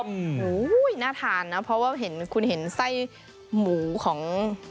โอ้โหน่าทานนะเพราะว่าเห็นคุณเห็นไส้หมูของ